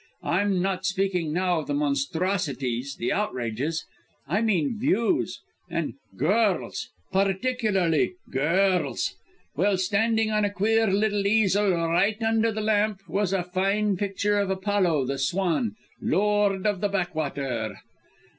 I'm not speaking now of the monstrosities, the outrages; I mean views, and girls particularly girls. Well, standing on a queer little easel right under the lamp was a fine picture of Apollo, the swan, lord of the backwater."